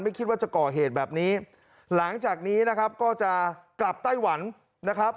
ไม่คิดว่าจะก่อเหตุแบบนี้หลังจากนี้นะครับก็จะกลับไต้หวันนะครับ